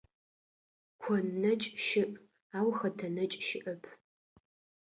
Кон нэкӀ щыӀ, ау хэтэ нэкӀ щыӀэп.